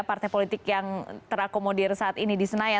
partai politik yang terakomodir saat ini di senayan